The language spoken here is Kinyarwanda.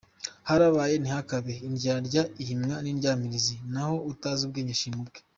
Harabaye ntihakabe, indyarya ihimwa n’indyamirizi, naho utazi ubwenge agashima ubwe.